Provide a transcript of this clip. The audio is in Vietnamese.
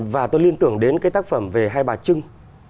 và tôi liên tưởng đến cái tác phẩm về hai bà trưng